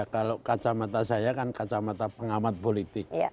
kalau kacamata saya kan kacamata pengamat politik